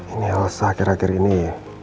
ini elsa akhir akhir ini